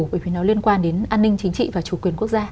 bởi vì nó liên quan đến an ninh chính trị và chủ quyền quốc gia